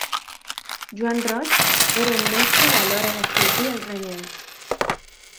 Joan Roig, era un mestre a l'hora d'esculpir els relleus.